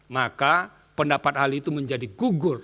maka pendapat ahli itu menjadi gugur